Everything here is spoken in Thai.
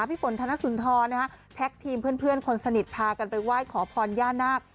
พี่ฝนธนสุนทรแท็กทีมเพื่อนคนสนิทพากันไปไหว้ขอพรย่านาค